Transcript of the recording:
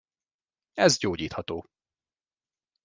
Ez gyógyítható.